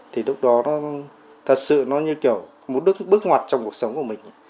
thì lúc đó nó thật sự nó như kiểu muốn được bước ngoặt trong cuộc sống của mình